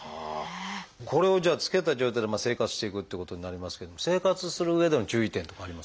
これをじゃあつけた状態で生活していくってことになりますけども生活するうえでの注意点っていうのはありますか？